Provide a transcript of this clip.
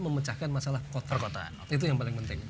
memecahkan masalah perkotaan itu yang paling penting